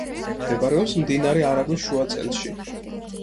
მდებარეობს მდინარე არაგვის შუა წელში.